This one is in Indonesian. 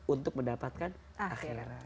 untuk mendapatkan akhirat